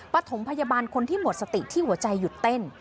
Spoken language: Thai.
ปฐมพยาบาลคนที่หมดสติที่หัวใจหยุดเต้น